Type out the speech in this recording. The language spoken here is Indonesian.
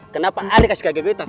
kenapa ali kasih kaget beta